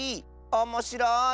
おもしろい！